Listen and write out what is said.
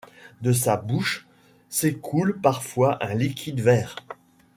De sa bouche s'écoule parfois un liquide vert.